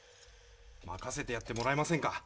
任せてやってもらえませんか？